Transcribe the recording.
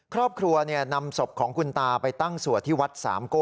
ครอบครัวนำศพของคุณตาไปตั้งสวดที่วัดสามโก้